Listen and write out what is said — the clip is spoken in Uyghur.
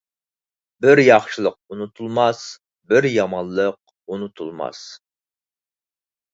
بىر ياخشىلىق ئۇنتۇلماس، بىر يامانلىق ئۇنتۇلماس.